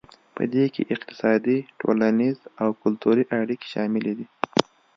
پدې کې اقتصادي ټولنیز او کلتوري اړیکې شاملې دي